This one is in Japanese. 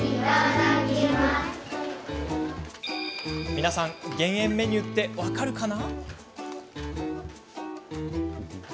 皆さん、減塩メニューって分かるかな？